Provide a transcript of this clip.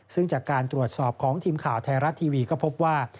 ซึ่งจากการตรวจสอบของทีมข่าวไทยรัฐทีวีก็พบว่า